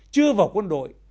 chưa vào quân đội